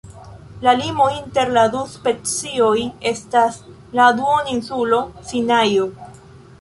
La limo inter la du specioj estas la duoninsulo Sinajo.